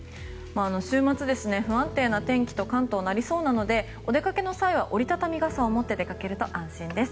週末、不安定な天気と関東はなりそうなのでお出かけの際は折り畳み傘を持って出かけると安心です。